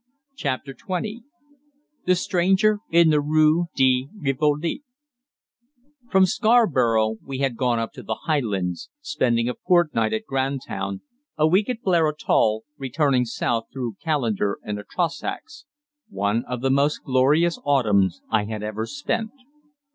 CHAPTER TWENTY THE STRANGER IN THE RUE DE RIVOLI From Scarborough we had gone up to the Highlands, spending a fortnight at Grantown, a week at Blair Atholl, returning south through Callander and the Trossachs one of the most glorious autumns I had ever spent.